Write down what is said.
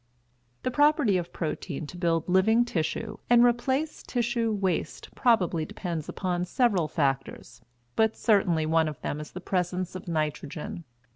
The property of protein to build living tissue and replace tissue waste probably depends upon several factors; but certainly one of them is the presence of nitrogen.